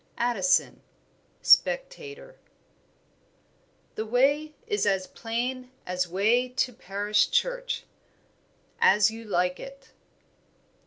ADDISON (Spectator). "The way is as plain as way to parish church." _As You Like It.